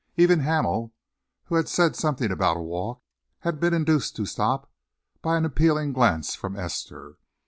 Even Hamel, who had said something about a walk, had been induced to stop by an appealing glance from Esther.